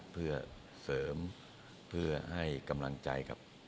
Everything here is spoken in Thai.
เพื่อเสริมเพื่อให้กำลังใจกับ